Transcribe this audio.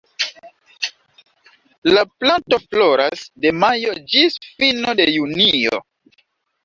La planto floras de majo ĝis fino de junio.